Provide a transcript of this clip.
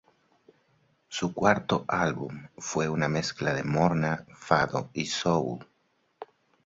Su cuarto álbum fue una mezcla de morna, fado y soul.